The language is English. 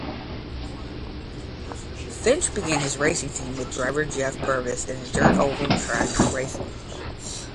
Finch began his racing team with driver Jeff Purvis in dirt oval track racing.